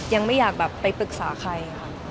ยังไม่อยากแบบไปปรึกษาใครค่ะ